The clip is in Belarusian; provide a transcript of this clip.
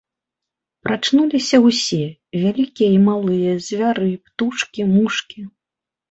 Прачнуліся ўсе вялікія і малыя звяры, птушкі, мушкі.